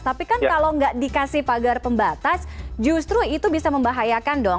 tapi kan kalau nggak dikasih pagar pembatas justru itu bisa membahayakan dong